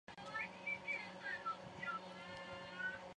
而与本属同科的动物尚有长吻长舌蝠属等之数种哺乳动物。